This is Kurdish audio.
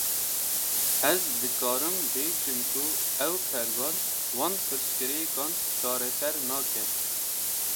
Ez dikarim bêjim ku ev pergal, van pirsgirêkan çareser nake